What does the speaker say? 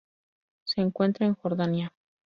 Se encuentra en Jordania.